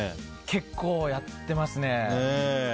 結構やってますね。